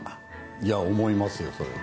いや思いますよそれは。